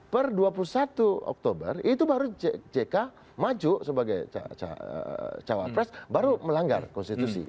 per dua puluh satu oktober itu baru jk maju sebagai cawapres baru melanggar konstitusi